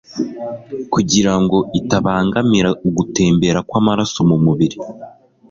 kugira ngo itabangamira ugutembera kw’amaraso mu mubiri.